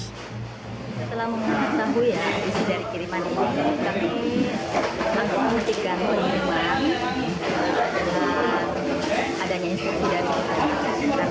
setelah mengetahui ya isi dari kiriman ini